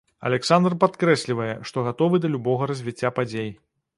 Аляксандр падкрэслівае, што гатовы да любога развіцця падзей.